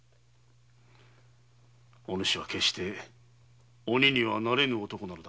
お主は決して鬼にはなれぬ男なのだ。